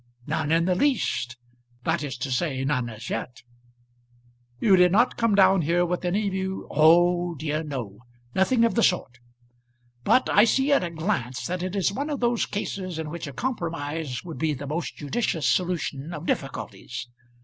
"None in the least; that is to say, none as yet." "You did not come down here with any view " "Oh dear no; nothing of the sort. But I see at a glance that it is one of those cases in which a compromise would be the most judicious solution of difficulties.